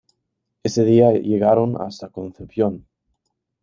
Ese día llegaron hasta Concepción.